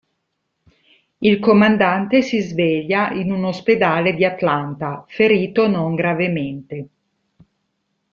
Il comandante si sveglia in un ospedale di Atlanta, ferito non gravemente.